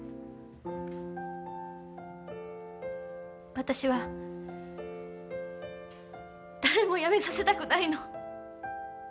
私は、誰もやめさせたくないの。